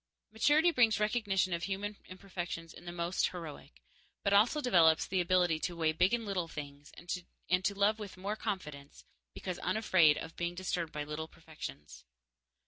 Maturity brings recognition of human imperfections in the most heroic, but also develops the ability to weigh big and little things and to love with more confidence because unafraid of being disturbed by little imperfections.